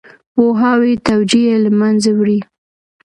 پوهاوی توجیه له منځه وړي.